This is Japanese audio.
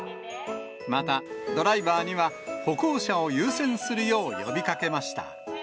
またドライバーには、歩行者を優先するよう呼びかけました。